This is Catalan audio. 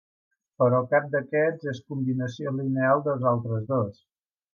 Però cap d'aquests és combinació lineal dels altres dos.